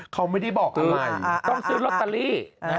เขาไม่ได้บอกอันใหม่ต้องซื้อลอตตาลี